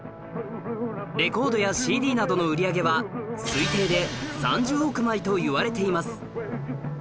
レコードや ＣＤ などの売り上げは推定で３０億枚といわれています